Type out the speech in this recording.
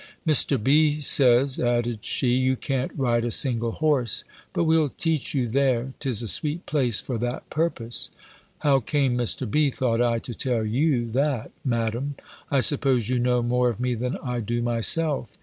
"Mr. B. says," added she, "you can't ride a single horse; but we'll teach you there. 'Tis a sweet place for that purpose." "How came Mr. B.," thought I, "to tell you that, Madam? I suppose you know more of me than I do myself."